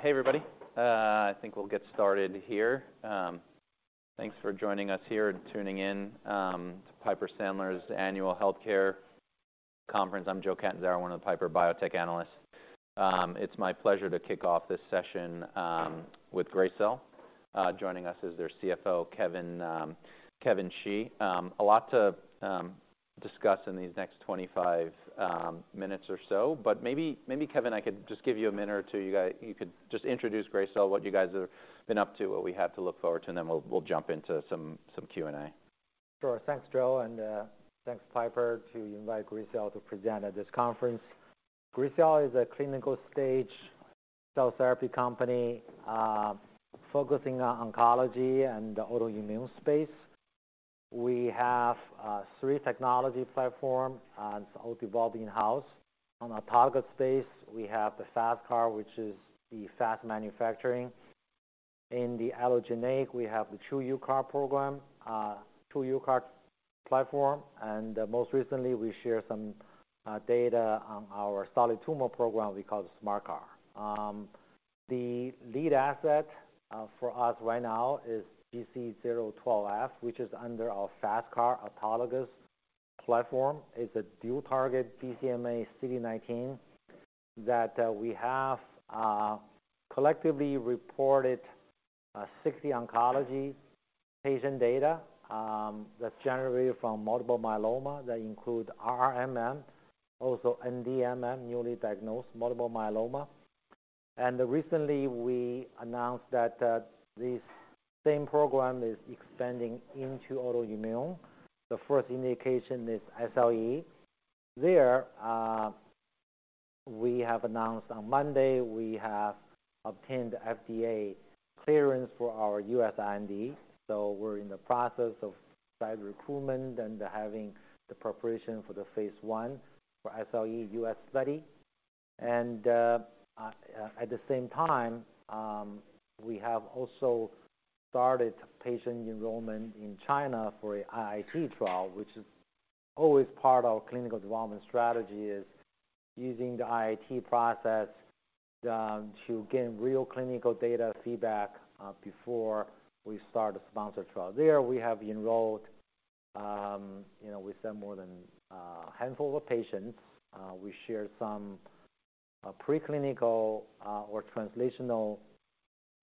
Hey, everybody. I think we'll get started here. Thanks for joining us here and tuning in to Piper Sandler's Annual Healthcare Conference. I'm Joe Catanzaro, one of the Piper biotech analysts. It's my pleasure to kick off this session with Gracell. Joining us is their CFO, Kevin Xie. A lot to discuss in these next 25 minutes or so, but maybe, Kevin, I could just give you a minute or two. You could just introduce Gracell, what you guys have been up to, what we have to look forward to, and then we'll jump into some Q&A. Sure. Thanks, Joe, and thanks, Piper, to invite Gracell to present at this conference. Gracell is a clinical stage cell therapy company, focusing on oncology and autoimmune space. We have three technology platform, and it's all developed in-house. On our target space, we have the FasTCAR, which is the fast manufacturing. In the allogeneic, we have the TruUCAR program, TruUCAR platform, and most recently, we share some data on our solid tumor program we call the SMART CAR. The lead asset for us right now is GC012F, which is under our FasTCAR autologous platform. It's a dual-target BCMA/CD19 that we have collectively reported 60 oncology patient data that's generated from multiple myeloma, that include RRMM, also NDMM, newly diagnosed multiple myeloma. And recently, we announced that this same program is expanding into autoimmune. The first indication is SLE. There, we have announced on Monday, we have obtained FDA clearance for our U.S. IND, so we're in the process of site recruitment and having the preparation for the phase one for SLE U.S. study. At the same time, we have also started patient enrollment in China for IIT trial, which is always part of clinical development strategy, is using the IIT process, to gain real clinical data feedback, before we start a sponsored trial. There, we have enrolled, you know, we said more than a handful of patients. We shared some preclinical or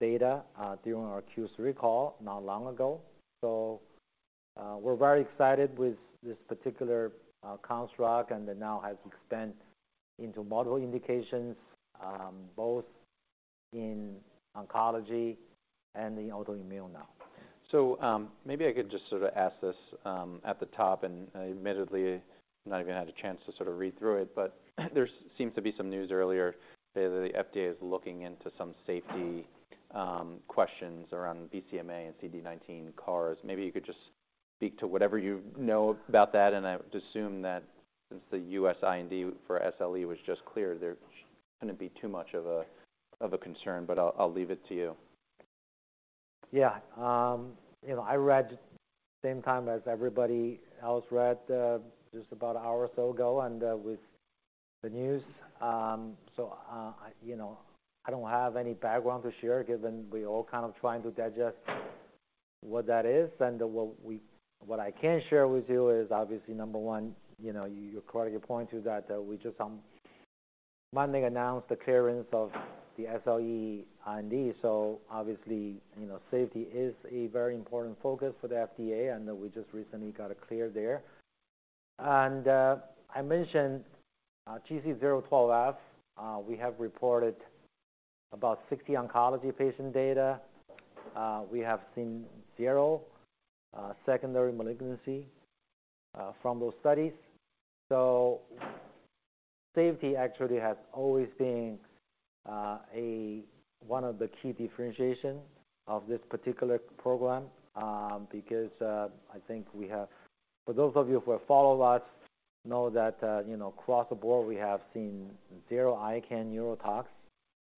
translational data during our Q3 call, not long ago. We're very excited with this particular construct, and it now has expanded into multiple indications, both in oncology and the autoimmune now. So, maybe I could just sort of ask this at the top, and admittedly, not even had a chance to sort of read through it, but there seems to be some news earlier that the FDA is looking into some safety questions around BCMA and CD19 CARs. Maybe you could just speak to whatever you know about that, and I would assume that since the U.S. IND for SLE was just cleared, there shouldn't be too much of a concern, but I'll leave it to you. Yeah. You know, I read same time as everybody else read, just about an hour or so ago, and, with the news. So, you know, I don't have any background to share, given we're all kind of trying to digest what that is. And what we-- what I can share with you is, obviously, number one, you know, you correctly point to that, we just on Monday announced the clearance of the SLE IND. So obviously, you know, safety is a very important focus for the FDA, and we just recently got it clear there. And, I mentioned, GC012F. We have reported about 60 oncology patient data. We have seen 0, secondary malignancy, from those studies. So safety actually has always been one of the key differentiation of this particular program, because I think we have... For those of you who have followed us, know that, you know, across the board, we have seen zero ICANS neurotox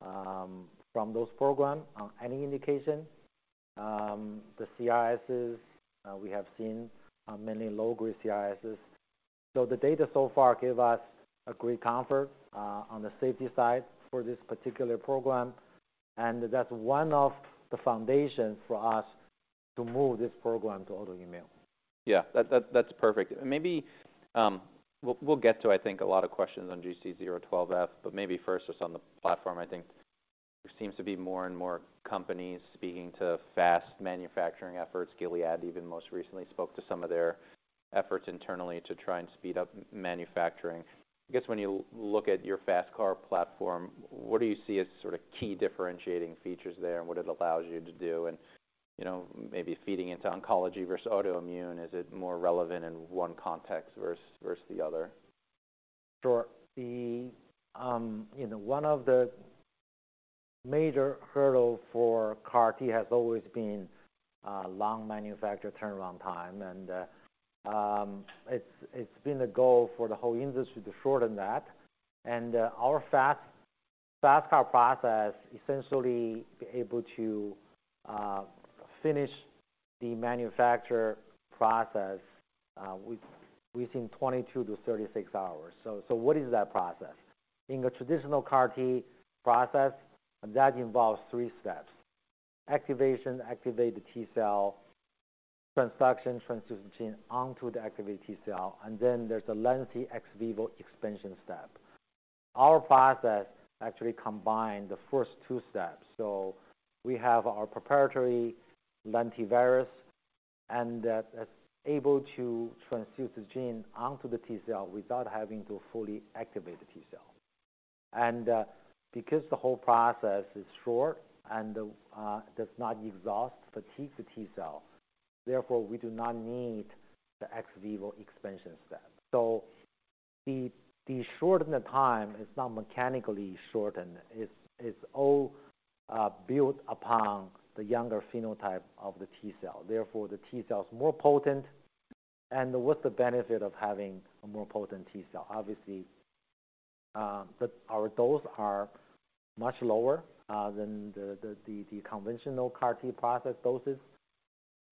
from those program on any indication. The CRSs, we have seen many low-grade CRSs. So the data so far give us a great comfort on the safety side for this particular program, and that's one of the foundations for us to move this program to autoimmune. Yeah, that, that's perfect. Maybe we'll get to, I think, a lot of questions on GC012F, but maybe first, just on the platform, I think there seems to be more and more companies speaking to fast manufacturing efforts. Gilead even most recently spoke to some of their efforts internally to try and speed up manufacturing. I guess when you look at your FasTCAR platform, what do you see as sort of key differentiating features there and what it allows you to do? And, you know, maybe feeding into oncology versus autoimmune, is it more relevant in one context versus the other? Sure. The you know, one of the major hurdle for CAR-T has always been, long manufacture turnaround time, and, it's been the goal for the whole industry to shorten that. And, our FasTCAR process essentially be able to, finish the manufacture process, within 22-36 hours. So what is that process? In a traditional CAR-T process, that involves three steps: activation, activate the T-cell, transduction, transduce the gene onto the activated T-cell, and then there's a lengthy ex vivo expansion step. Our process actually combine the first two steps. So we have our proprietary lentivirus, and that is able to transduce the gene onto the T-cell without having to fully activate the T-cell. And, because the whole process is short and, does not exhaust, fatigue the T-cell, therefore, we do not need the ex vivo expansion step. So the shortened time is not mechanically shortened. It's all built upon the younger phenotype of the T-cell, therefore, the T-cell is more potent. And what's the benefit of having a more potent T-cell? Obviously, but our dose are much lower than the conventional CAR-T process doses.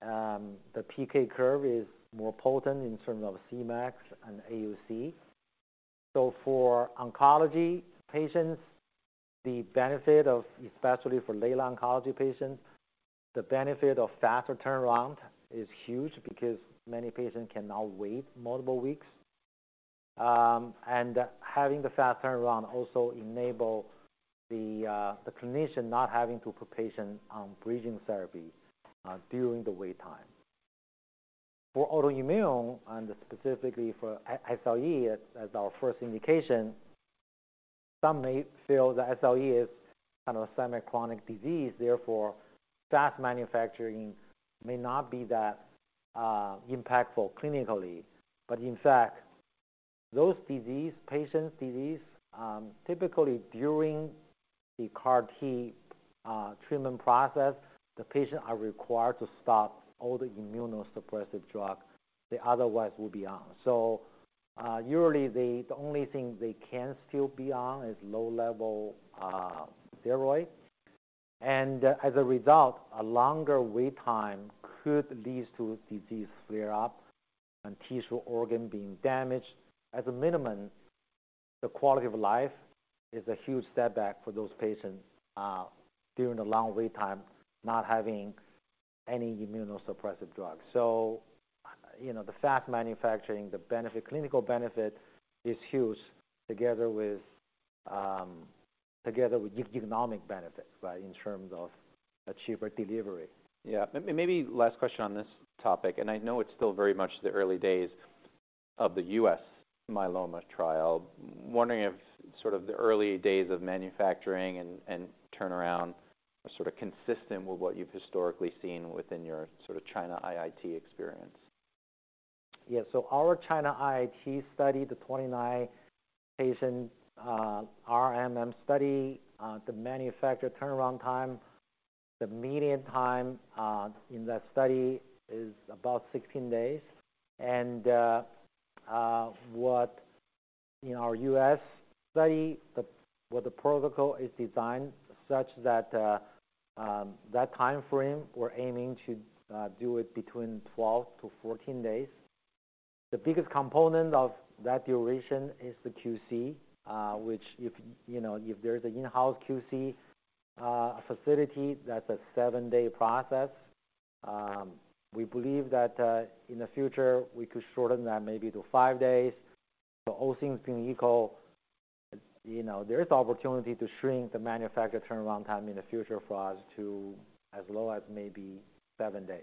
The PK curve is more potent in terms of Cmax and AUC. So for oncology patients, the benefit of, especially for laid low oncology patients, the benefit of faster turnaround is huge because many patients cannot wait multiple weeks. And having the fast turnaround also enable the clinician not having to put patient on bridging therapy during the wait time. For autoimmune, and specifically for SLE as our first indication, some may feel that SLE is kind of a semi chronic disease, therefore, fast manufacturing may not be that impactful clinically. But in fact, those disease, patients disease, typically during the CAR-T treatment process, the patient are required to stop all the immunosuppressive drugs they otherwise will be on. So, usually the only thing they can still be on is low level steroid. And as a result, a longer wait time could lead to disease flare up and tissue organ being damaged. As a minimum, the quality of life is a huge setback for those patients during the long wait time, not having any immunosuppressive drugs. So, you know, the fast manufacturing, the benefit, clinical benefit is huge, together with economic benefits, right? In terms of a cheaper delivery. Yeah. Maybe last question on this topic, and I know it's still very much the early days of the U.S. myeloma trial. Wondering if sort of the early days of manufacturing and turnaround are sort of consistent with what you've historically seen within your sort of China IIT experience. Yeah. So our China IIT study, the 29 patient, RMM study, the manufacture turnaround time, the median time, in that study is about 16 days. And, what in our U.S. study, the protocol is designed such that, that time frame, we're aiming to do it between 12-14 days. The biggest component of that duration is the QC, which if, you know, if there's an in-house QC facility, that's a seven day process. We believe that, in the future, we could shorten that maybe to five days. So all things being equal, you know, there is opportunity to shrink the manufacture turnaround time in the future for us to as low as maybe seven days.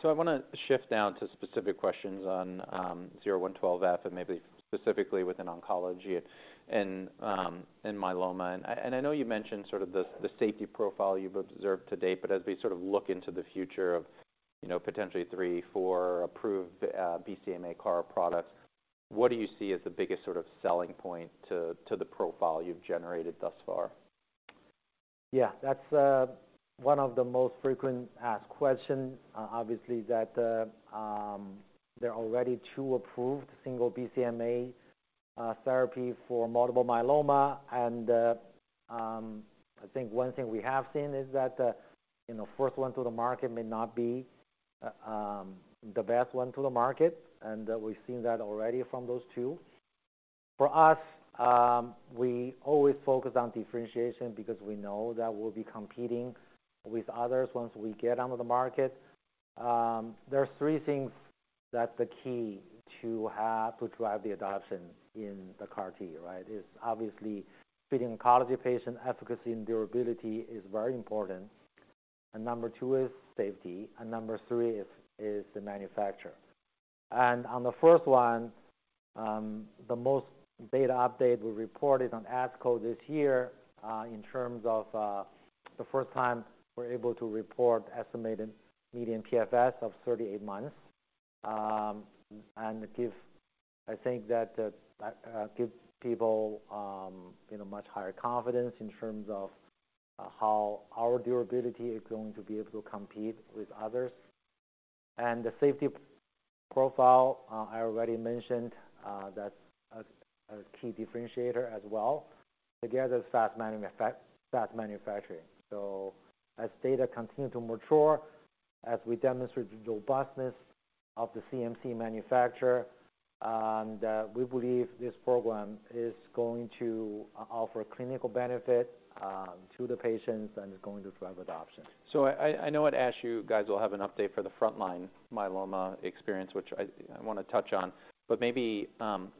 So I want to shift now to specific questions on GC012F, and maybe specifically within oncology and myeloma. And I know you mentioned sort of the safety profile you've observed to date, but as we sort of look into the future of, you know, potentially three, four approved BCMA CAR products, what do you see as the biggest sort of selling point to the profile you've generated thus far? Yeah, that's one of the most frequently asked questions. Obviously, there are already two approved single BCMA therapies for multiple myeloma. And I think one thing we have seen is that, you know, first one to the market may not be the best one to the market, and we've seen that already from those two. For us, we always focus on differentiation because we know that we'll be competing with others once we get onto the market. There's three things that's the key to have to drive the adoption in the CAR-T, right? Is obviously, fitting oncology patient efficacy, and durability is very important. And number two is safety, and number three is the manufacture. On the first one, the most data update we reported on ASCO this year, in terms of, the first time we're able to report estimated median PFS of 38 months. And it gives people, you know, much higher confidence in terms of, how our durability is going to be able to compete with others. And the safety profile, I already mentioned, that's a key differentiator as well, together with fast manufacturing. So as data continue to mature, as we demonstrate the robustness of the CMC manufacturer, and, we believe this program is going to offer clinical benefit, to the patients and is going to drive adoption. So I know at ASH you guys will have an update for the frontline myeloma experience, which I wanna touch on. But maybe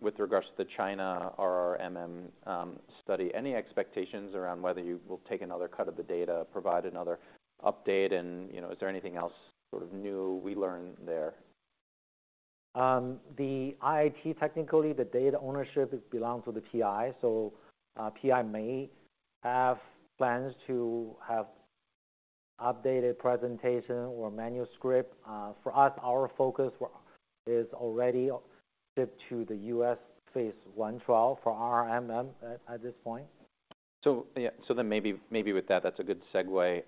with regards to the China RRMM study, any expectations around whether you will take another cut of the data, provide another update, and, you know, is there anything else sort of new we learned there? The IIT, technically, the data ownership belongs to the PI. So, PI may have plans to have updated presentation or manuscript. For us, our focus is already shifted to the U.S. phase I trial for RRMM at this point. So, yeah, so then maybe, maybe with that, that's a good segue.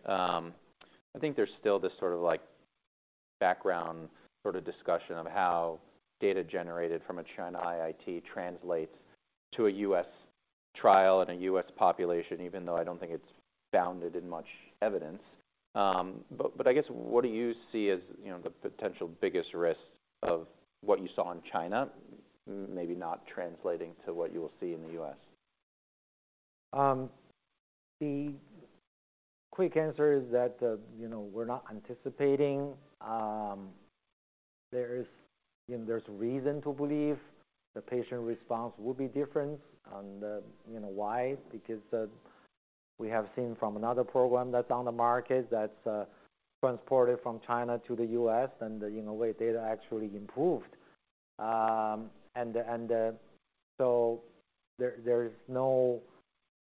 I think there's still this sort of like background sort of discussion of how data generated from a China IIT translates to a U.S. trial and a U.S. population, even though I don't think it's grounded in much evidence. But, but I guess, what do you see as, you know, the potential biggest risk of what you saw in China, maybe not translating to what you will see in the U.S.? The quick answer is that, you know, we're not anticipating, there is and there's reason to believe the patient response will be different. And, you know why? Because, we have seen from another program that's on the market, that's transported from China to the U.S., and, you know, where data actually improved. And the, and the so there, there is no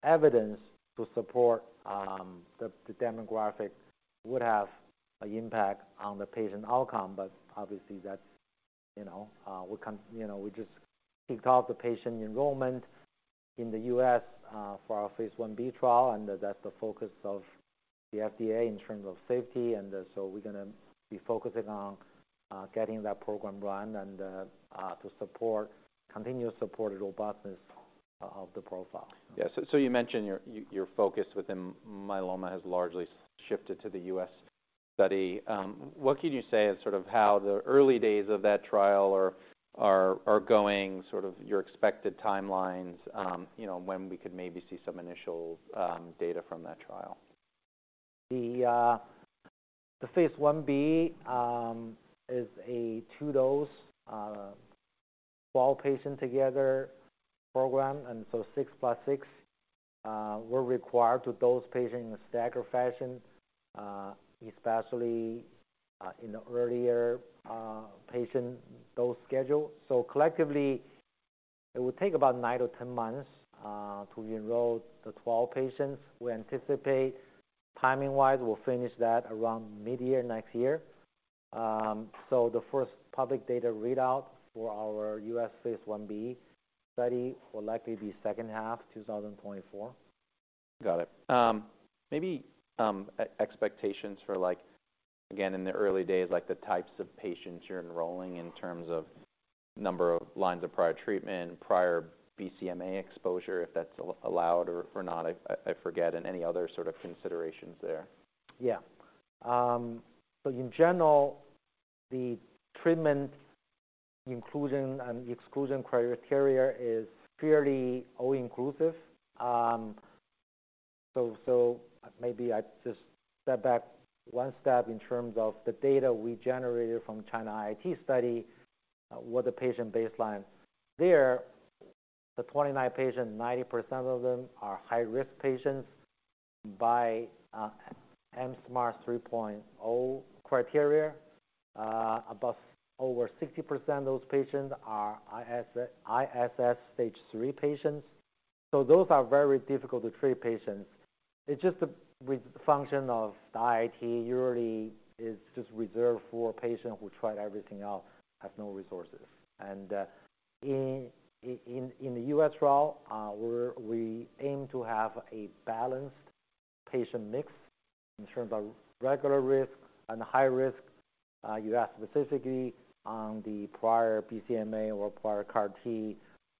evidence to support, the, the demographic would have an impact on the patient outcome. But obviously, that's, you know, we can, you know, we just kicked off the patient enrollment in the U.S., for our phase I-B trial, and that's the focus of the FDA in terms of safety. And so we're gonna be focusing on, getting that program run and, to support, continue to support the robustness of the profile. Yeah. So you mentioned your focus within myeloma has largely shifted to the U.S. study. What can you say is sort of how the early days of that trial are going, sort of your expected timelines, you know, when we could maybe see some initial data from that trial? The phase I-B is a 2-dose, 12-patient together program, and so 6 + 6 were required to dose patient in a staggered fashion, especially in the earlier patient dose schedule. So collectively, it would take about 9-10 months to enroll the 12 patients. We anticipate, timing-wise, we'll finish that around midyear next year. So the first public data readout for our U.S. phase I-B study will likely be second half 2024. Got it. Maybe expectations for like, again, in the early days, like the types of patients you're enrolling in terms of number of lines of prior treatment, prior BCMA exposure, if that's allowed or not, I forget, and any other sort of considerations there. Yeah. So in general, the treatment inclusion and exclusion criteria is fairly all-inclusive. So maybe I just step back one step in terms of the data we generated from China IIT study with the patient baseline. There, the 29 patients, 90% of them are high-risk patients by mSMART 3.0 criteria. Over 60% of those patients are ISS stage three patients. So those are very difficult to treat patients. It's just a function of IIT usually is just reserved for patients who tried everything else, have no resources. In the U.S. trial, we aim to have a balanced patient mix in terms of regular risk and high risk. You asked specifically on the prior BCMA or prior CAR-T.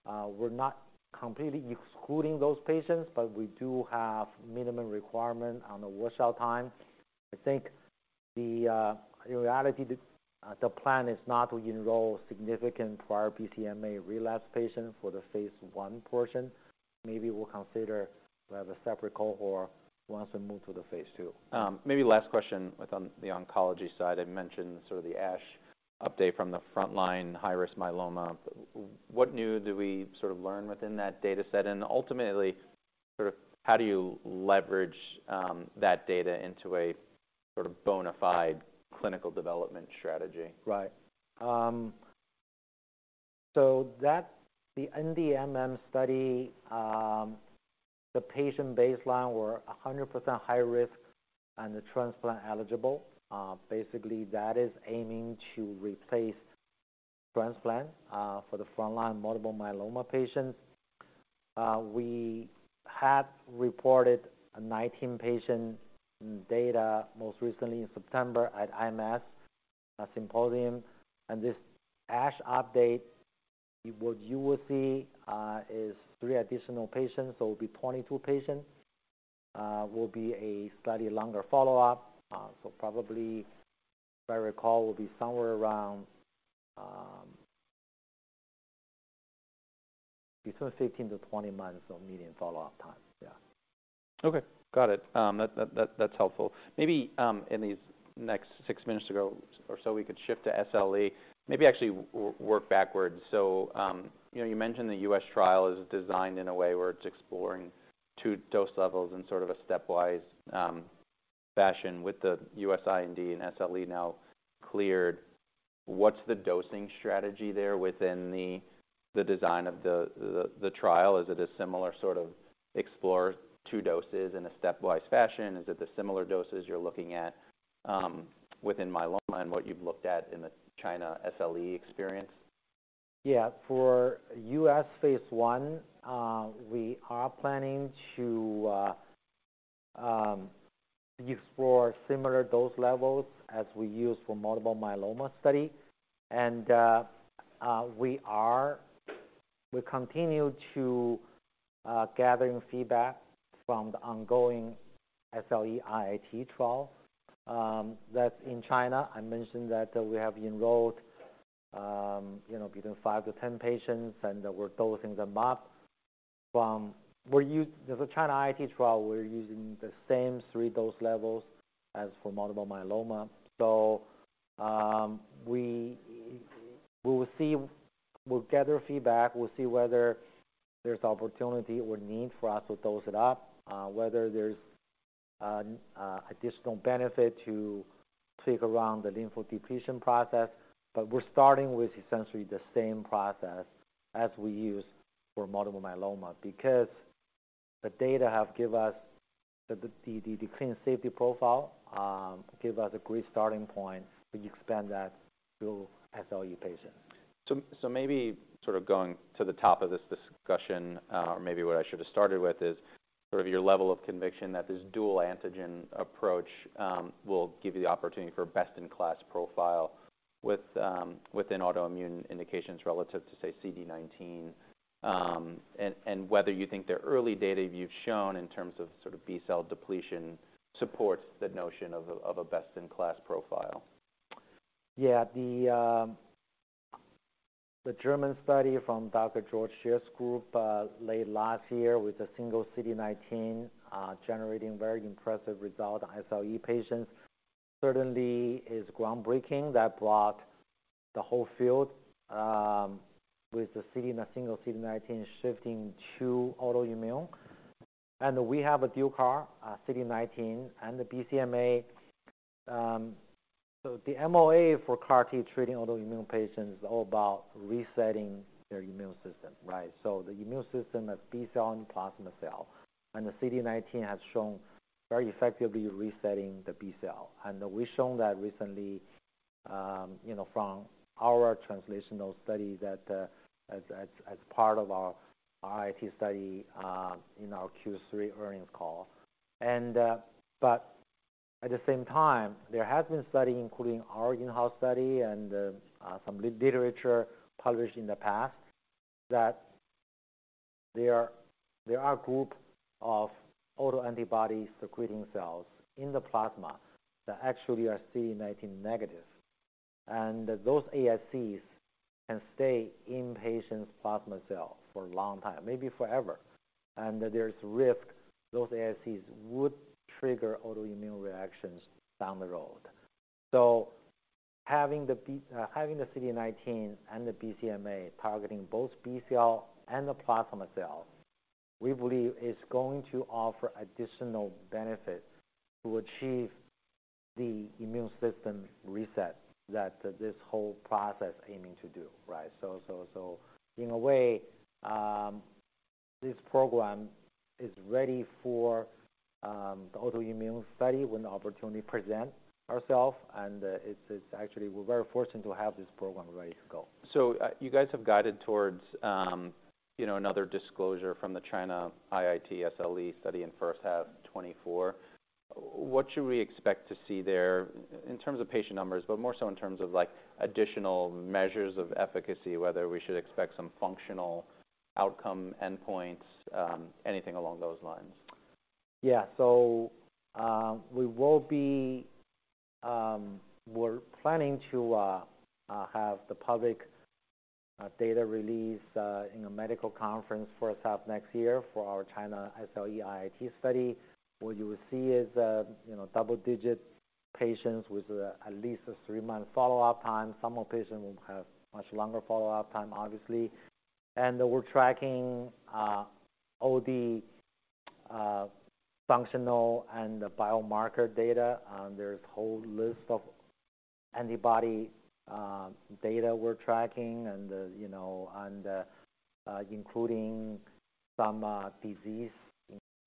We're not completely excluding those patients, but we do have minimum requirement on the wash out time. I think in reality the plan is not to enroll significant prior BCMA relapse patient for the phase I portion. Maybe we'll consider we have a separate cohort once we move to the phase II. Maybe last question with on the oncology side. I mentioned sort of the ASH update from the frontline high-risk myeloma. What new do we sort of learn within that data set? And ultimately, sort of how do you leverage that data into a sort of bona fide clinical development strategy? Right. So that the NDMM study, the patient baseline were 100% high risk and the transplant eligible. Basically, that is aiming to replace transplant, for the frontline multiple myeloma patients.... we had reported a 19-patient data most recently in September at IMS, a symposium. This ASH update, what you will see, is three additional patients. So it will be 22 patients, will be a slightly longer follow-up. So probably, if I recall, will be somewhere around, between 15-20 months of median follow-up time. Yeah. Okay, got it. That's helpful. Maybe, in these next six minutes to go or so, we could shift to SLE. Maybe actually work backwards. So, you know, you mentioned the US trial is designed in a way where it's exploring two dose levels in sort of a stepwise, fashion with the U.S. IND and SLE now cleared. What's the dosing strategy there within the, the design of the, the, the trial? Is it a similar sort of explore two doses in a stepwise fashion? Is it the similar doses you're looking at, within myeloma and what you've looked at in the China SLE experience? Yeah. For U.S. phase 1, we are planning to explore similar dose levels as we use for multiple myeloma study. And, we continue to gathering feedback from the ongoing SLE IIT trial, that's in China. I mentioned that we have enrolled, you know, between five to 10 patients, and we're dosing them up. The China IIT trial, we're using the same three dose levels as for multiple myeloma. So, we will see. We'll gather feedback. We'll see whether there's opportunity or need for us to dose it up, whether there's additional benefit to tweak around the lymphodepletion process. We're starting with essentially the same process as we use for multiple myeloma, because the data have give us the clean safety profile, give us a great starting point. We expand that to SLE patients. Maybe sort of going to the top of this discussion, or maybe what I should have started with is sort of your level of conviction that this dual antigen approach will give you the opportunity for best-in-class profile with within autoimmune indications relative to, say, CD19. And whether you think the early data you've shown in terms of sort of B-cell depletion supports the notion of a best-in-class profile. Yeah, the German study from Dr. Georg Schett's group late last year with a single CD19 generating very impressive result in SLE patients certainly is groundbreaking. That blocked the whole field with the CD in a single CD19 shifting to autoimmune. And we have a dual CAR CD19 and the BCMA. So the MOA for CAR-T treating autoimmune patients is all about resetting their immune system, right? So the immune system of B cell and plasma cell, and the CD19 has shown very effectively resetting the B cell. And we've shown that recently, you know, from our translational study that as part of our IIT study in our Q3 earnings call. But at the same time, there has been study, including our in-house study and some literature published in the past, that there are a group of autoantibody-secreting cells in the plasma that actually are CD19-negative. And those ASCs can stay in patients' plasma cell for a long time, maybe forever, and there's risk those ASCs would trigger autoimmune reactions down the road. So having the B, having the CD19 and the BCMA targeting both B cells and the plasma cells, we believe is going to offer additional benefit to achieve the immune system reset that this whole process is aiming to do, right? So in a way, this program is ready for the autoimmune study when the opportunity presents ourselves. And it's actually, we're very fortunate to have this program ready to go. So, you guys have guided towards, you know, another disclosure from the China IIT SLE study in first half 2024. What should we expect to see there in terms of patient numbers, but more so in terms of, like, additional measures of efficacy, whether we should expect some functional outcome endpoints, anything along those lines? Yeah. So, we will be... we're planning to have the public data release in a medical conference first half next year for our China SLE IIT study. What you will see is, you know, double-digit patients with at least a three-month follow-up time. Some of the patients will have much longer follow-up time, obviously. And we're tracking all the functional and the biomarker data. And there's a whole list of antibody data we're tracking and, you know, and including some disease,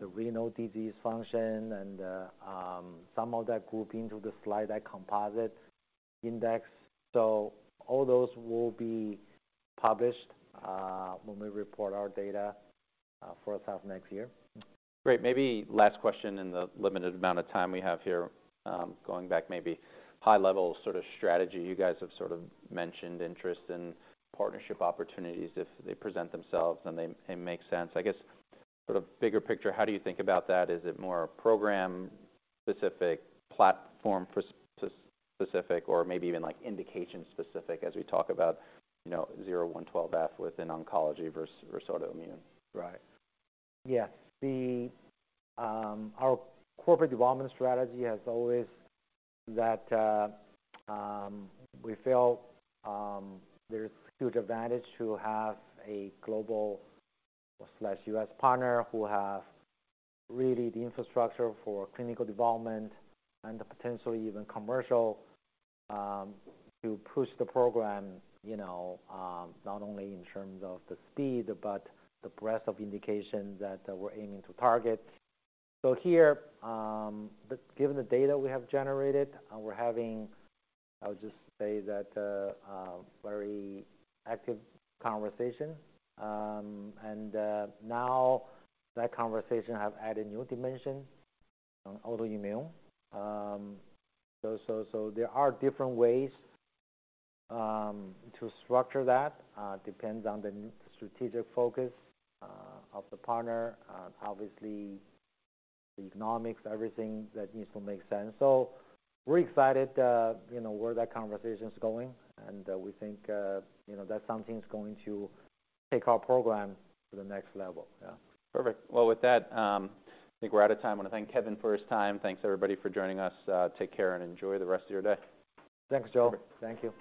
the renal disease function and some of that group into the SLE, that composite index. So all those will be published when we report our data first half next year. Great. Maybe last question in the limited amount of time we have here. Going back, maybe high level sort of strategy. You guys have sort of mentioned interest in partnership opportunities if they present themselves and they, it makes sense. I guess, sort of bigger picture, how do you think about that? Is it more program specific, platform specific, or maybe even like indication specific as we talk about, you know, GC012F within oncology versus autoimmune? Right. Yes. Our corporate development strategy has always that we feel there's huge advantage to have a global slash U.S. partner who have really the infrastructure for clinical development and potentially even commercial to push the program, you know, not only in terms of the speed, but the breadth of indications that we're aiming to target. So here, given the data we have generated, we're having, I would just say that, a very active conversation. And now that conversation have added new dimension on autoimmune. So there are different ways to structure that, depends on the strategic focus of the partner. Obviously, the economics, everything that needs to make sense. So we're excited, you know, where that conversation is going, and we think, you know, that something's going to take our program to the next level. Yeah. Perfect. Well, with that, I think we're out of time. I want to thank Kevin for his time. Thanks, everybody, for joining us. Take care and enjoy the rest of your day. Thanks, Joe. Perfect. Thank you.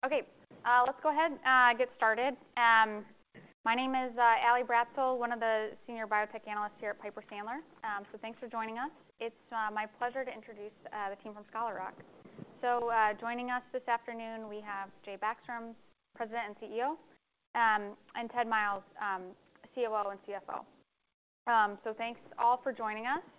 Okay, let's go ahead, get started. My name is, Ally Bradzel, one of the Senior Biotech Analysts here at Piper Sandler. So, thanks for joining us. It's, my pleasure to introduce, the team from Scholar Rock. So, joining us this afternoon, we have Jay Backstrom, President and CEO, and Ted Myles, COO and CFO. So, thanks all for joining us.